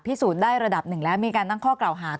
พิสูจน์ได้ระดับหนึ่งแล้วมีการตั้งข้อกล่าวหา